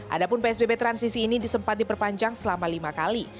adapun psbb transisi ini disempat diperpanjang selama lima kali